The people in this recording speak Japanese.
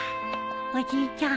おじいちゃん